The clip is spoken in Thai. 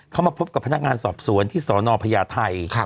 เขามาพบกับพนักงานสอบสวนที่สนพญาไทย